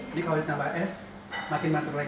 ini kalau ditambah es makin mantap lagi